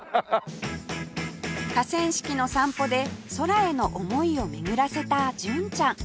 河川敷の散歩で空への思いを巡らせた純ちゃん